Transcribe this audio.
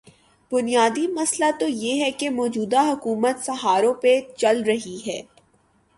بنیادی مسئلہ تو یہ ہے کہ موجودہ حکومت سہاروں پہ چل رہی ہے۔